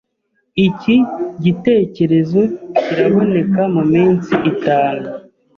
Iki gitekerezo kiraboneka muminsi itanu.